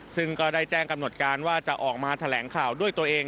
ซึ่งก็ได้แจ้งกำหนดการว่าจะออกมาแถลงข่าวด้วยตัวเอง